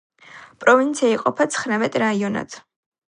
პროვინცია იყოფა ცხრამეტ რაიონად.